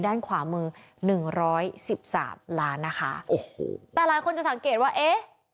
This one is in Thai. ด้านขวามือหนึ่งร้อยสิบสามล้านนะคะโอ้โหแต่หลายคนจะสังเกตว่าเอ๊ะ